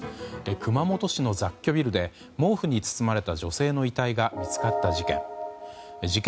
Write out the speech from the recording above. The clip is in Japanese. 熊本市の雑居ビルで毛布に包まれた女性の遺体が見つかった事件。